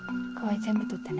全部取ってね。